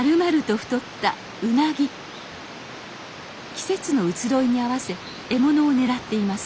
季節の移ろいに合わせ獲物を狙っています